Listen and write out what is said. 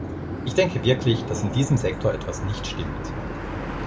Ich denke wirklich, dass in diesem Sektor etwas nicht stimmt.